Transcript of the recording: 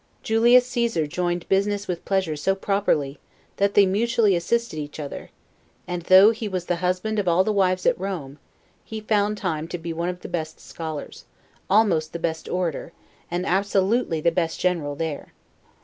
Julius Caesar joined business with pleasure so properly, that they mutually assisted each other; and though he was the husband of all the wives at Rome, he found time to be one of the best scholars, almost the best orator, and absolutely the best general there.